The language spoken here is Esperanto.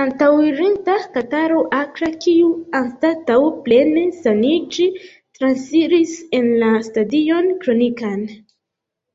Antaŭirinta kataro akra, kiu, anstataŭ plene saniĝi, transiris en la stadion kronikan.